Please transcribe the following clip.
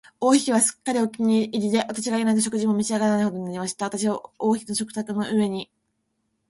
王妃は私がすっかりお気に入りで、私がいないと食事も召し上らないほどになりました。私は王妃の食卓の上に、